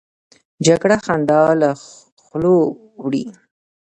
جګړه خندا له خولو وړي